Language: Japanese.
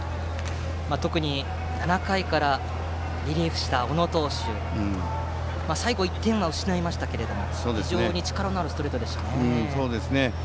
特に７回からリリーフした小野投手は最後１点は失いましたが非常に力のあるストレートでした。